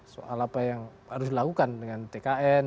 soal apa yang harus dilakukan dengan tkn